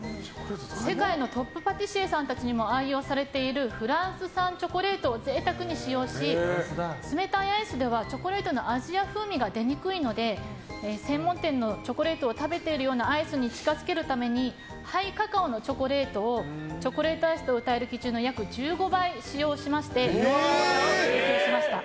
世界のトップパティシエさんたちにも愛用されているフランス産チョコレートを贅沢に使用し冷たいアイスではチョコレートの味や風味が出にくいので専門店のチョコレートを食べているようなアイスに近づけるためにハイカカオのチョコレートをチョコレートアイスとうたえる基準の約１５倍使用しまして濃厚さを追求しました。